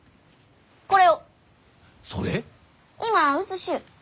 今写しゆう。